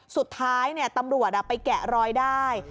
สุดท้ายตำรวจไปแกะรอยได้